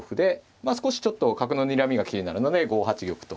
まあ少しちょっと角のにらみが気になるので５八玉と。